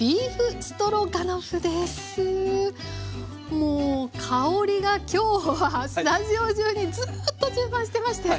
もう香りが今日はスタジオ中にずっと充満してまして。